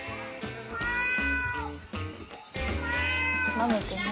なめて何？